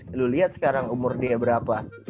ya lu liat sekarang umur dia berapa